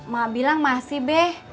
mak bilang masih be